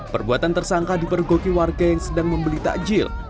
perbuatan tersangka dipergoki warga yang sedang membeli takjil